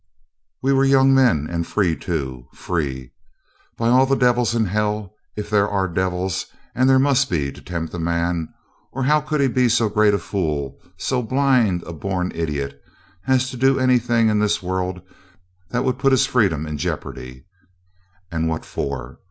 We were young men, and free, too. Free! By all the devils in hell, if there are devils and there must be to tempt a man, or how could he be so great a fool, so blind a born idiot, as to do anything in this world that would put his freedom in jeopardy? And what for?